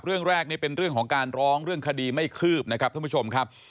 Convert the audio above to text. เรื่องแรกนี่เป็นเรื่องของการร้องเรื่องคดีไม่คืบนะครับท่านผู้ชมครับ